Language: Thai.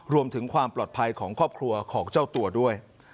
รวมถึงความปลอดภัยของครอบครัวของเจ้าตัวด้วย